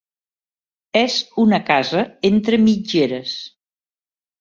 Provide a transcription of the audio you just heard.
És una casa entre mitgeres.